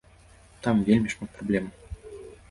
Там вельмі шмат праблем!